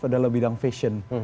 adalah bidang fashion